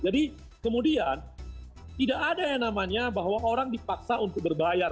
jadi kemudian tidak ada yang namanya bahwa orang dipaksa untuk berbayar